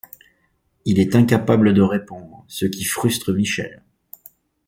Il est incapable de répondre, ce qui frustre Michelle.